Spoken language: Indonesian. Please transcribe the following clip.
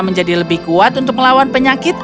menjadi lebih kuat untuk melawan penyakit